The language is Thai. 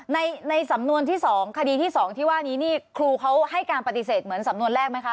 ในสำนวนที่๒คดีที่๒ที่ว่านี้นี่ครูเขาให้การปฏิเสธเหมือนสำนวนแรกไหมคะ